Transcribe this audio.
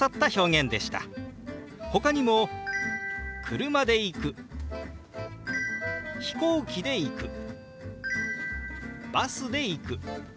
ほかにも「車で行く」「飛行機で行く」「バスで行く」。